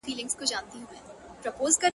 گلاب جانانه ته مي مه هېروه~